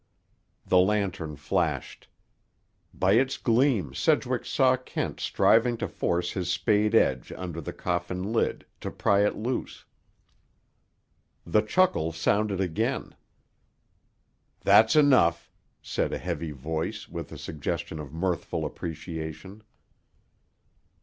The lantern flashed. By its gleam Sedgwick saw Kent striving to force his spade edge under the coffin lid, to pry it loose. The chuckle sounded again. "That's enough," said a heavy voice, with a suggestion of mirthful appreciation.